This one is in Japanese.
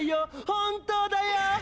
本当だよ！